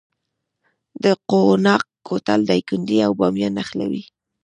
د قوناق کوتل دایکنډي او بامیان نښلوي